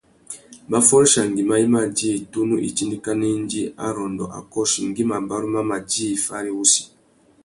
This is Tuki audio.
Mbaffôréchia nguimá i mà djï tunu itindikana indi arrôndô a kôchi ngüi mabarú mà djï fari wussi.